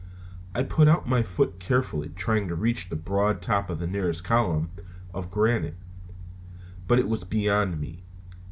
I put out my foot carefully, trying to reach the broad top of the nearest column of granite, but it was beyond me.